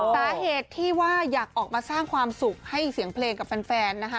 สาเหตุที่ว่าอยากออกมาสร้างความสุขให้เสียงเพลงกับแฟนนะคะ